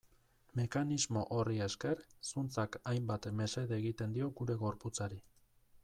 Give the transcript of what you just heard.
Mekanismo horri esker, zuntzak hainbat mesede egiten dio gure gorputzari.